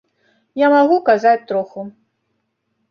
Я магу казаць троху.